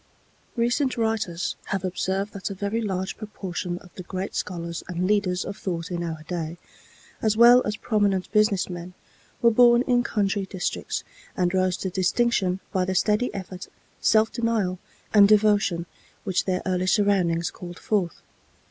Recent writers have observed that a very large proportion of the great scholars and leaders of thought in our day, as well as prominent business men, were born in country districts, and rose to distinction by the steady effort, self denial and devotion which their early surroundings called forth.